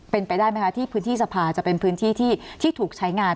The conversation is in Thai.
เป็นไปได้ไหมคะที่พื้นที่สภาจะเป็นพื้นที่ที่ถูกใช้งาน